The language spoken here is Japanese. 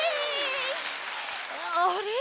あれ？